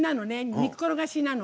煮っころがしなの。